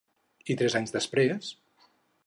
I tres anys després?